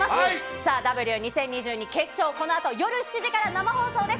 さあ、ＴＨＥＷ２０２２決勝、このあと夜７時から生放送です。